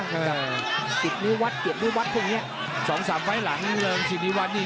เออติดนิ้ววัดเกียจนิ้ววัดพวกเงี้ยสองสามไฟหลังเริ่มสินิวัดนี่